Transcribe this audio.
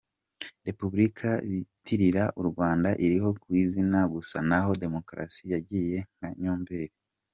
-Repubulika bitirira u Rwanda iriho ku izina gusa naho Demokarasi yagiye nka nyomberi;